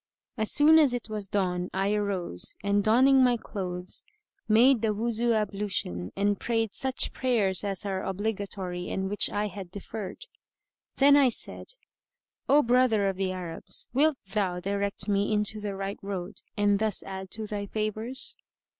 As soon as it was dawn I arose and donning my clothes, made the Wuzu ablution and prayed such prayers as are obligatory and which I had deferred. Then I said, "O brother of the Arabs, wilt thou direct me into the right road and thus add to thy favours?"